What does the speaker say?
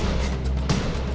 iya cepetan sana